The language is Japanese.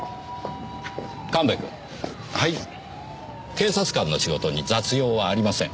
警察官の仕事に雑用はありません。